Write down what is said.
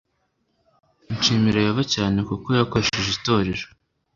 Nshimira Yehova cyane kuko yakoresheje itorero